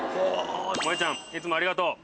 もえちゃんいつもありがとう。